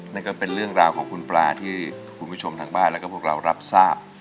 นั่นก็เป็นเรื่องราวของคุณปลาที่คุณผู้ชมทางบ้านแล้วก็พวกเรารับทราบ